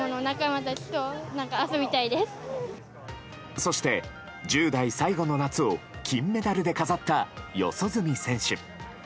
そして、１０代最後の夏を金メダルで飾った四十住選手。